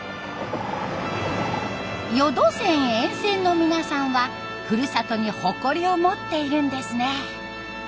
予土線沿線の皆さんはふるさとに誇りを持っているんですね。